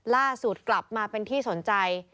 ล่าสุดกลับมาเป็นที่สนใจ